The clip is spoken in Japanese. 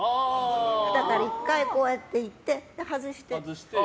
だから、１回こうやって行って外して。